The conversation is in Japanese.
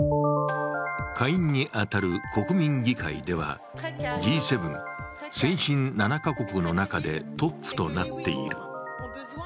下院に当たる国民議会ではＧ７先進７か国の中でトップとなっている。